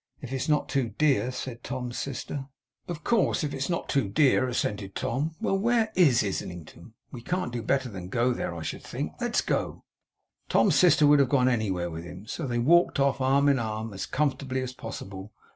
'If it's not too dear,' said Tom's sister. 'Of course, if it's not too dear,' assented Tom. 'Well, where IS Islington? We can't do better than go there, I should think. Let's go.' Tom's sister would have gone anywhere with him; so they walked off, arm in arm, as comfortably as possible.